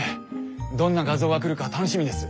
どんな画像が来るか楽しみです。